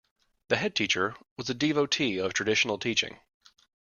The headteacher was a devotee of traditional teaching